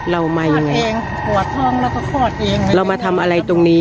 เรามายังไงคลอดเองหัวท่องแล้วก็คลอดเองเรามาทำอะไรตรงนี้